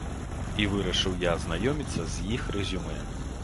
І вырашыў я азнаёміцца з іх рэзюмэ.